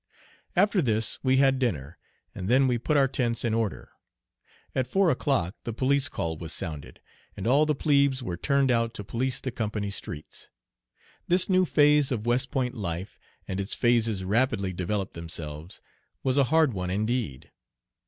After this we had dinner, and then we put our tents in order. At four o'clock the police call was sounded, and all the "plebes" were turned out to police the company streets. This new phase of West Point life and its phases rapidly developed themselves was a hard one indeed.